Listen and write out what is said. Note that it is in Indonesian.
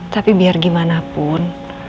tapi biar gimana pun